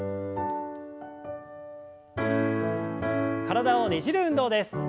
体をねじる運動です。